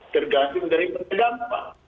tergantung dari pendampak